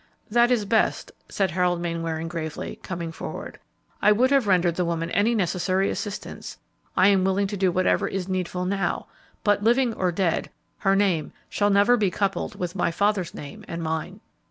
"That is best," said Harold Mainwaring gravely, coming forward. "I would have rendered the woman any necessary assistance; I am willing to do whatever is needful now, but, living or dead, her name shall never be coupled with my father's name and mine."